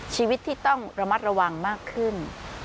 ชีวิตที่ต้องระมัดระวังมากขึ้น